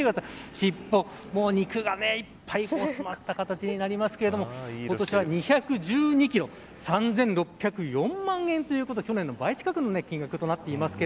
尻尾、肉が目いっぱい詰まった形になりますが今年は２１２キロ３６０４万円ということで去年の倍近くの金額になっています。